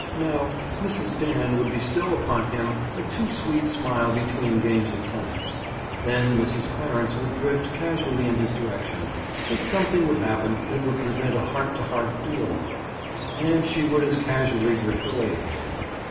Now, Mrs. Dan would bestow upon him a too sweet smile between games of tennis; then Mrs. Clarence would drift casually in his direction, but something would happen that would prevent a heart to heart duologue, and she would as casually drift away again.